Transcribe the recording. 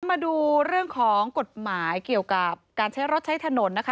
มาดูเรื่องของกฎหมายเกี่ยวกับการใช้รถใช้ถนนนะคะ